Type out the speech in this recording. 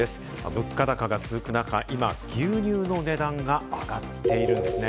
物価高が続く中、今、牛乳の値段が上がっているんですね。